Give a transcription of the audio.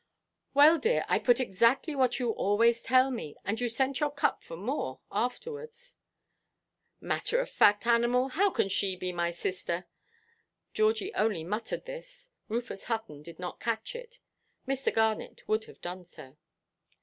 "Well, dear, I put exactly what you always tell me. And you sent your cup for more afterwards." "Matter of fact animal—how can she be my sister?" Georgie only muttered this. Rufus Hutton did not catch it. Mr. Garnet would have done so.